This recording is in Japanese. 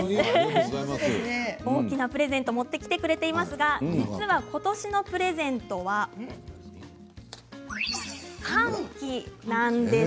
大きなプレゼントを持ってきてくれていますが実は、ことしのプレゼントは寒気なんです。